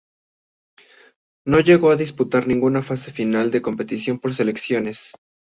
No llegó a disputar ninguna fase final de competición por selecciones.